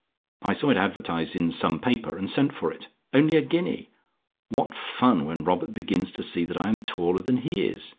I saw it advertised in some paper, and sent for it. Only a guinea! What fun when Robert begins to see that I am taller than he is!